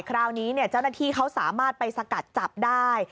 คราวนี้เจ้าหน้าที่เขาสามารถไปสกัดจับได้